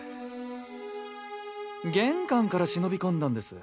玄関から忍び込んだんです。